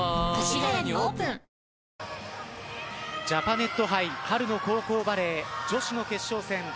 ジャパネット杯春の高校バレー女子の決勝戦